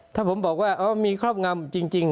ถ้าผมบอกว่ามีครอบงำจริง